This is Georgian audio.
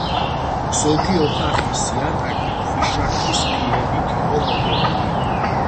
ზოგი ოთახის იატაკი ქვიშაქვის ფილებით იყო მოგებული.